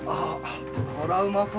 これはうまそうだ。